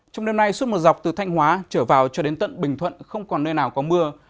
trong đêm nay suốt một dọc từ thanh hóa trở vào cho đến tận bình thuận không còn nơi nào có mưa